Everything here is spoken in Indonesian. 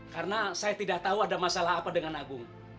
karena saya tidak tahu ada masalah apa dengan agung